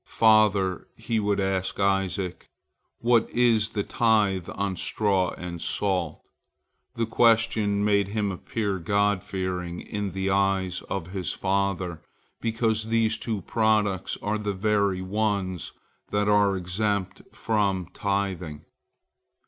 "Father," he would ask Isaac, "what is the tithe on straw and salt?" The question made him appear God fearing in the eyes of his father, because these two products are the very ones that are exempt from tithing.